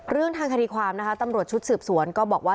เรื่องทางคดีความนะคะตำรวจชุดสืบสวนก็บอกว่า